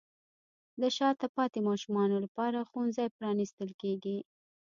د شاته پاتې ماشومانو لپاره ښوونځي پرانیستل کیږي.